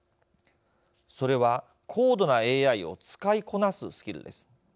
それは高度なＡＩを使いこなすスキルです。